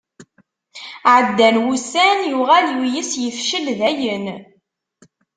Ɛeddan wussan, yuɣal yuyes, yefcel dayen.